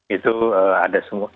itu ada semua